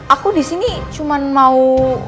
aku disini cuma mau